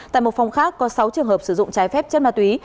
tại một phòng khác có sáu trường hợp sử dụng trái phép chất ma túy